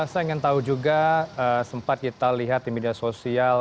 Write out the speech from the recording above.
saya ingin tahu juga sempat kita lihat di media sosial